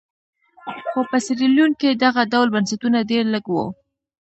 خو په سیریلیون کې دغه ډول بنسټونه ډېر لږ وو.